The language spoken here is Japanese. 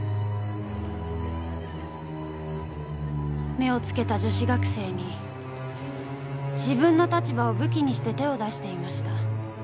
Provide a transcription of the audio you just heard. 目をつけた女子学生に自分の立場を武器にして手を出していました。